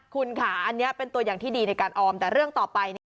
คุณค่ะอันนี้เป็นตัวอย่างที่ดีในการออมแต่เรื่องต่อไปเนี่ย